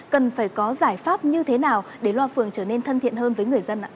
cần phải có giải pháp như thế nào để loa phường trở nên thân thiện hơn với người dân ạ